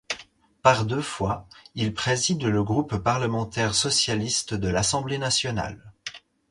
Par deux fois, il préside le groupe parlementaire socialiste de l'Assemblée nationale.